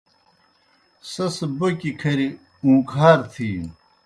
سیْس بوکیْ کھریْ اُون٘کہار تِھینوْ۔